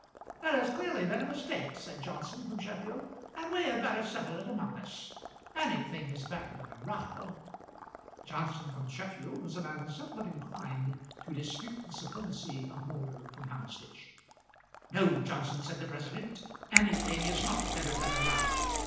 "There has clearly been a mistake," said Johnson from Sheffield, "and we had better settle it among us; anything is better than a row." Johnson from Sheffield was a man somewhat inclined to dispute the supremacy of Moulder from Houndsditch. "No, Johnson," said the president. "Anything is not better than a row.